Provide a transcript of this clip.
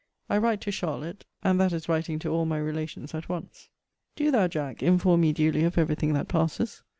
I write to Charlotte; and that is writing to all my relations at once. Do thou, Jack, inform me duly of every thing that passes.